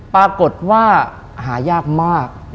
ปรากฏว่าหายากมาก